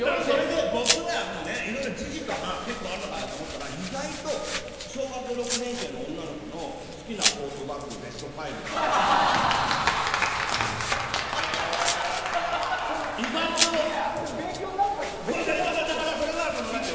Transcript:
それで僕は、いろいろ時事とか結構あるかなと思ったら意外と小学６年生の女の子の好きなトートバッグベスト５だったり。